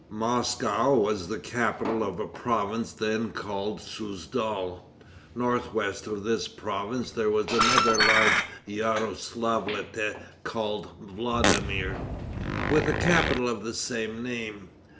Moscow was the capital of a province then called Souzdal. North west of this province there was another large principality called Vladimir, with a capital of the same name.